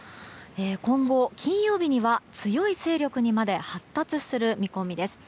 今後、金曜日には強い勢力にまで発達する見込みです。